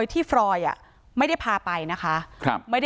ที่โพสต์ก็คือเพื่อต้องการจะเตือนเพื่อนผู้หญิงในเฟซบุ๊คเท่านั้นค่ะ